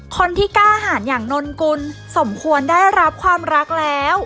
คนที่กล้าหารอย่างนนกุลสมควรได้รับความรักแล้ว